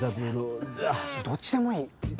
どっちでもいい。